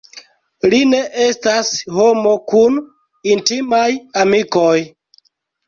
Li ne estas homo kun intimaj amikoj.